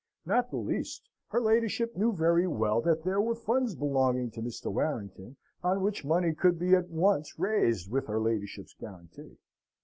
Not the least: her ladyship knew very well that there were funds belonging to Mr. Warrington, on which money could be at once raised with her ladyship's guarantee.